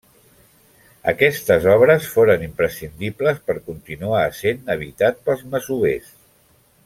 Aquestes obres foren imprescindibles per continuar essent habitat pels masovers.